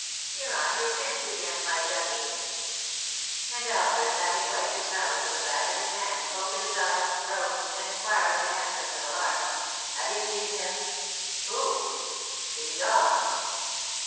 you're on your pins again, my ducky!" And Alfred, having wiped his mouth with the back of his hand, opened his eyes, rose, and inquired, in accents of alarm: "Have you seen him?" "Who?" "Is he gone?"